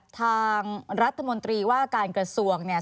ทางรัฐมนตรีว่าการกระทรวงเนี่ย